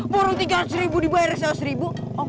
burung tiga ratus ribu dibayar tiga ratus ribu